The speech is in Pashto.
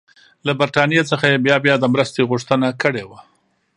له برټانیې څخه یې بیا بیا د مرستې غوښتنه کړې وه.